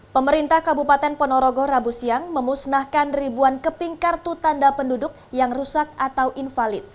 pemerintah kabupaten ponorogo rabu siang memusnahkan ribuan keping kartu tanda penduduk yang rusak atau invalid